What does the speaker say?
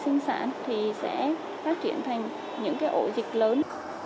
thế giới sản thì sẽ phát triển thành những cái ổ dịch lớn